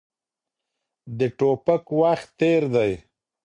د ټوپک وخت تېر دی.